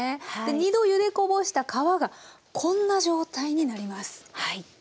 ２度ゆでこぼした皮がこんな状態になります。